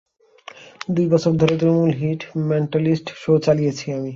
দুইবছর ধরে তুমুল hit mentalist show চালিয়েছি আমি।